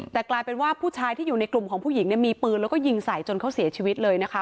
แต่กลายเป็นว่าผู้ชายที่อยู่ในกลุ่มของผู้หญิงเนี่ยมีปืนแล้วก็ยิงใส่จนเขาเสียชีวิตเลยนะคะ